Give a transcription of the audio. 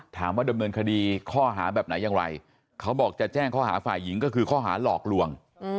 ถามว่าดำเนินคดีข้อหาแบบไหนอย่างไรเขาบอกจะแจ้งข้อหาฝ่ายหญิงก็คือข้อหาหลอกลวง